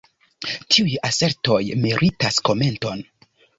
Tiuj asertoj meritas komenton.